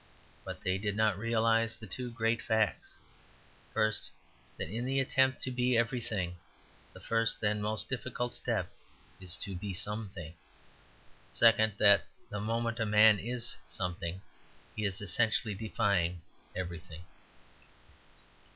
But they did not realize the two great facts first, that in the attempt to be everything the first and most difficult step is to be something; second, that the moment a man is something, he is essentially defying everything.